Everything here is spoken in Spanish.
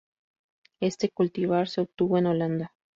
Este cultivar se obtuvo en Holanda.